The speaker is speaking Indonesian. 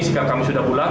sekalian kami sudah bulat